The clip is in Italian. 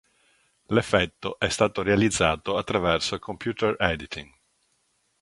L'effetto è stato realizzato attraverso computer editing.